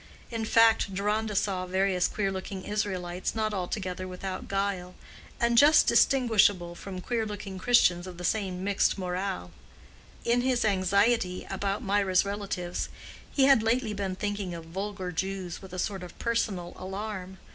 In fact, Deronda saw various queer looking Israelites not altogether without guile, and just distinguishable from queer looking Christians of the same mixed morale. In his anxiety about Mirah's relatives, he had lately been thinking of vulgar Jews with a sort of personal alarm.